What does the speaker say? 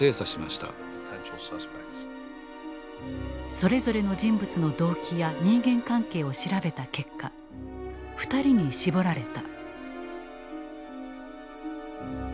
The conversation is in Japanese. それぞれの人物の動機や人間関係を調べた結果２人に絞られた。